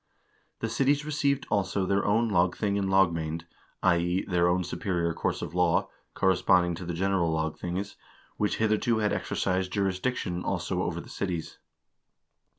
The cities received also their own lagthing and lagmamd, i.e. their own superior courts of law, corresponding to the general lag things, which hitherto had exercised jurisdiction also over the cities.